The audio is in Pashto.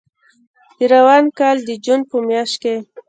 د روان کال د جون په میاشت کې